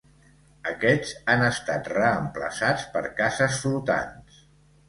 Aquests han estat reemplaçats per cases flotants.